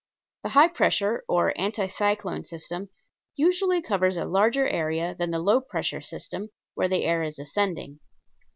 The high pressure or anti cyclone system usually covers a larger area than the low pressure system, where the air is ascending.